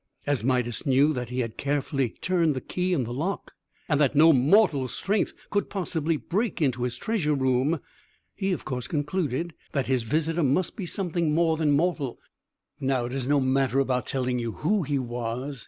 As Midas knew that he had carefully turned the key in the lock, and that no mortal strength could possibly break into his treasure room, he, of course, concluded that his visitor must be something more than mortal. It is no matter about telling you who he was.